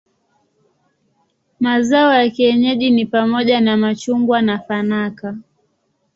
Mazao ya kienyeji ni pamoja na machungwa na nafaka.